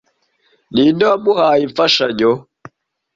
ninde wamuhaye imfashanyo